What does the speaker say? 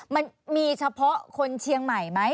มันมีเฉพาะคนเชียงใหม่ไหม